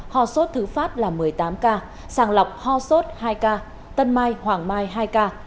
ho sốt thứ phát là một mươi tám ca sàng lọc ho sốt hai ca tân mai hoàng mai hai ca